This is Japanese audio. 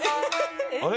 あれ？